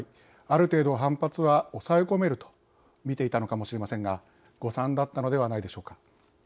ある程度反発は抑え込めると見ていたのかもしれませんが誤算だったのではないでしょうか。